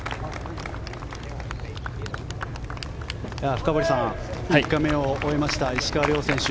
深堀さん、３日目を終えました石川遼選手